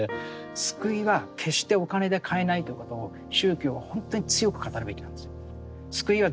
救いは決してお金で買えないということを宗教は本当に強く語るべきなんですよ。